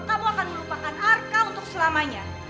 kamu akan melupakan arka untuk selamanya